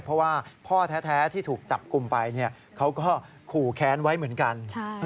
เพราะว่าพ่อแท้ที่ถูกจับกลุ่มไปเขาก็ขู่แค้นไว้เหมือนกัน